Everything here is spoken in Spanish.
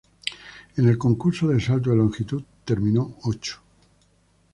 En el concurso de salto de longitud terminó ocho.